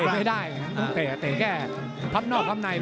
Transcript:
กดคอไปได้แตะง่าย